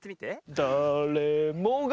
「だれもが」